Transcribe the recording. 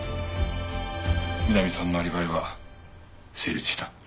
美波さんのアリバイは成立した。